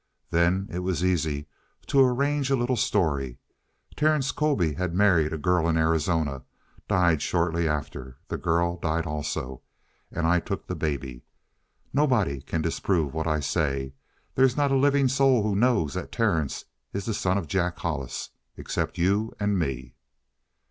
Then it was easy to arrange a little story: Terence Colby had married a girl in Arizona, died shortly after; the girl died also, and I took the baby. Nobody can disprove what I say. There's not a living soul who knows that Terence is the son of Jack Hollis except you and me."